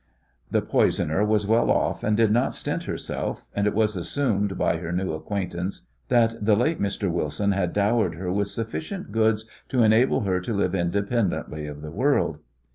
The poisoner was well off, and did not stint herself, and it was assumed by her new acquaintance that the late Mr. Wilson had dowered her with sufficient goods to enable her to live independently of the world.